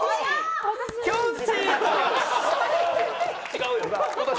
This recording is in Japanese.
違うよ。